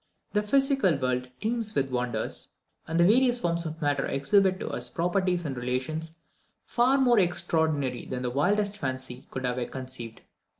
The physical world teems with wonders, and the various forms of matter exhibit to us properties and relations far more extraordinary than the wildest fancy could have conceived.